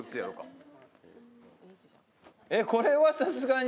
これはさすがに。